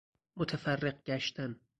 متفرق گشتن